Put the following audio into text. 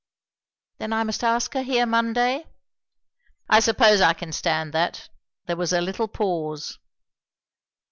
"Then I must ask her here Monday." "I suppose I can stand that." There was a little pause.